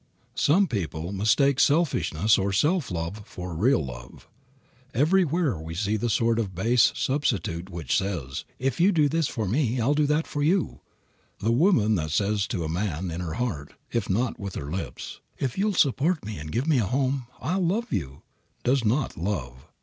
Some people mistake selfishness or self love for real love. Everywhere we see the sort of base substitute which says, "If you do this for me I'll do that for you." The woman that says to a man, in her heart, if not with her lips, "If you'll support me and give me a home, I'll love you," does not love.